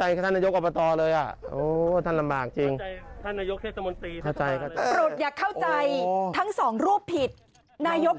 ท่านนายกออกมาต่อที่นี่